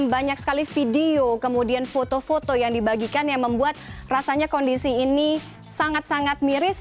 banyak sekali video kemudian foto foto yang dibagikan yang membuat rasanya kondisi ini sangat sangat miris